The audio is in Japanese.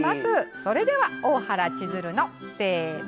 それでは「大原千鶴の」、せーの。